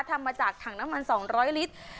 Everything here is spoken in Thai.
ทำมาจากถังน้ำมัน๒๐๐ลิตร